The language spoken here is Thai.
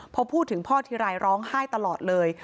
พอพูดถึงพ่อทีไรร้องไห้ตลอดเลย